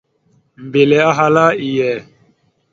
Mbelle ahala: « Iye ».